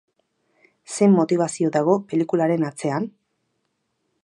Zein motibazio dago pelikularen atzean?